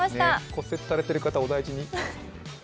骨折されている方、お大事に。